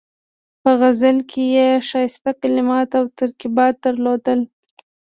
په غزل کې یې ښایسته کلمات او ترکیبات درلودل.